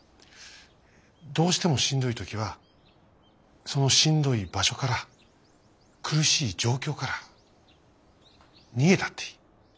どうしてもしんどい時はそのしんどい場所から苦しい状況から逃げたっていい。